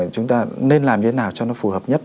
chúng ta nên làm thế nào cho nó phù hợp nhất